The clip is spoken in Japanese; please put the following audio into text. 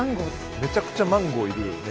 めちゃくちゃマンゴーいるよね。